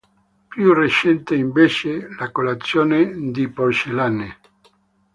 Più recente, invece, la collezione di porcellane.